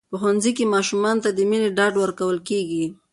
په ښوونځي کې ماشومانو ته د مینې ډاډ ورکول کېږي.